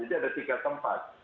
jadi ada tiga tempat